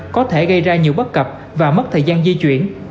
có thể gây ra nhiều bất cập và mất thời gian di chuyển